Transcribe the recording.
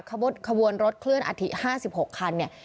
ขวัญรถเคลื่อนอาทิตย์ห้าสิบหกคันเนี่ย